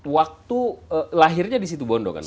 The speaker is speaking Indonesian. waktu lahirnya di situbondo kan pak